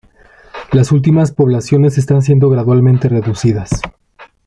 Las últimas poblaciones están siendo gradualmente reducidas.